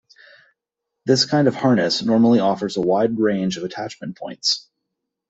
This kind of harness normally offers a wide range of attachment points.